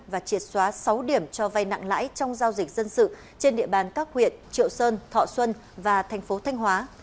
và triệt xóa sáu điểm cho vay nặng lãi trong giao dịch dân sự trên địa bàn các huyện triệu sơn thọ xuân và thành phố thanh hóa